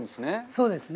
そうですね。